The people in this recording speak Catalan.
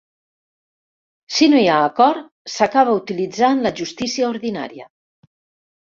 Si no hi ha acord, s'acaba utilitzant la justícia ordinària.